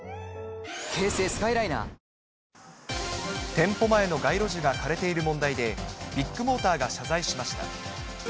店舗前の街路樹が枯れている問題で、ビッグモーターが謝罪しました。